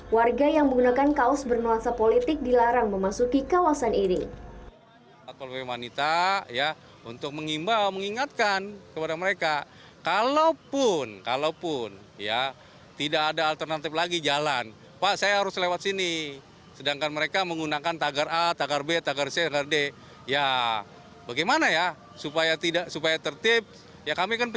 warga yang menggunakan kaos bernuansa politik dilarang memasuki kawasan ini